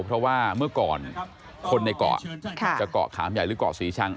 เพราะว่าเมื่อก่อนคนในเกาะจะเกาะขามใหญ่หรือเกาะศรีชัง